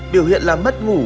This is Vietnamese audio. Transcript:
biểu hiện là mất ngủ